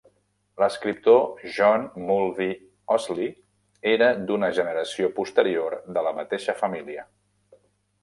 L'escriptor John Mulvey Ousley era d'una generació posterior de la mateixa família.